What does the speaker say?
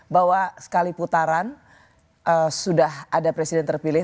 bahwa sekali putaran sudah ada presiden terpilih